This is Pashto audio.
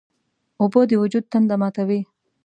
اوبه د وجود تنده ماتوي.